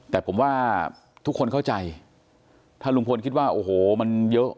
แต่ผมว่าทุกคนเข้าใจถ้าลุงพลคิดว่าโอ้โหมันเยอะ